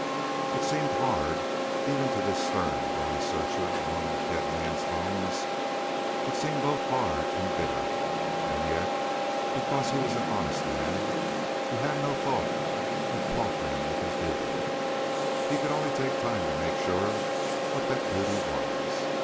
It seemed hard; even to this stern, dry searcher among dead men's bones, it seemed both hard and bitter. And yet, because he was an honest man, he had no thought of paltering with his duty. He could only take time to make sure what that duty was.